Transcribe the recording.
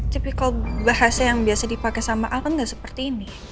typical bahasa yang biasa dipake sama al kan gak seperti ini